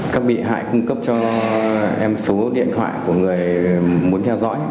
các bị hại cung cấp cho em số điện thoại của người muốn theo dõi